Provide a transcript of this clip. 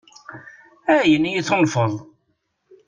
Ayen i yi-tunfeḍ?